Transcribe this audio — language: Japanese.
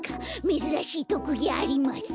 めずらしいとくぎあります。